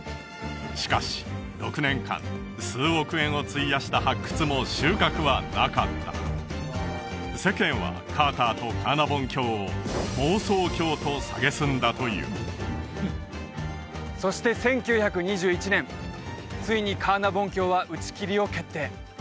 しかし６年間数億円を費やした発掘も収穫はなかった世間はカーターとカーナボン卿を妄想狂とさげすんだというそして１９２１年ついにカーナボン卿は打ち切りを決定